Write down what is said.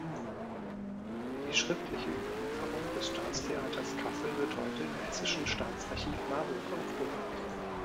Die schriftliche Überlieferung des Staatstheaters Kassel wird heute im Hessischen Staatsarchiv Marburg aufbewahrt.